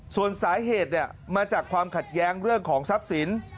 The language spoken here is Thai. ส่วนสาเหตุมาจากความขัดแย้งเรื่องของทรัพย์สิน